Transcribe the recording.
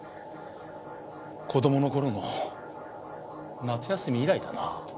子供の頃の夏休み以来だな。